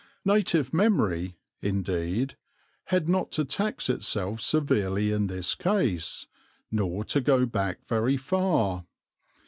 Native memory, indeed, had not to tax itself severely in this case, nor to go back very far.